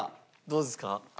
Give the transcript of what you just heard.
どうですか？